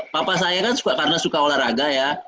papa saya kan suka karena suka olahraga ya